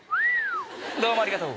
どうもありがとう！